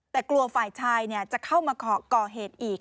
แต่กลัวฝ่ายชายจะเข้ามาก่อเหตุอีก